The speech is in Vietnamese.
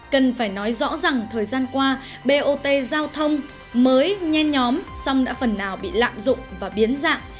cần phải nói rõ rằng thời gian qua bot giao thông mới nhen nhóm xong đã phần nào bị lạm dụng và biến dạng